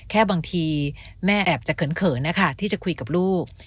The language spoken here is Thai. แค่บางทีแม่แอบจะเขินนะคะที่จะคุยกับลูก